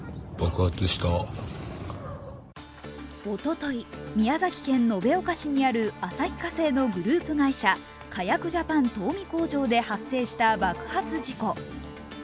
おととい、宮崎県延岡市にある旭化成のグループ会社、カヤク・ジャパン東海工場で発生した爆発事故。